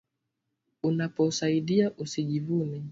Unapo saidia usi jivune